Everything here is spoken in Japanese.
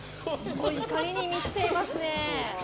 怒りに満ちていますね。